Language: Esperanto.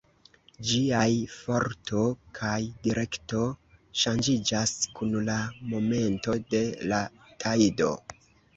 Ĝiaj forto kaj direkto ŝanĝiĝas kun la momento de la tajdo.